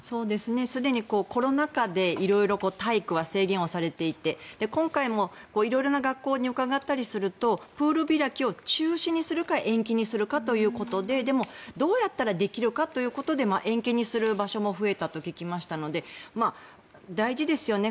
すでにコロナ禍で色々、体育は制限をされていて今回は色々な学校に伺ったりするとプール開きを中止にするか延期にするかということででも、どうやったらできるかということで延期にする場所も増えたと聞きますので大事ですよね。